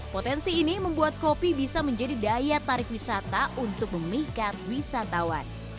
potensi ini membuat kopi bisa menjadi daya tarik wisata untuk memikat wisatawan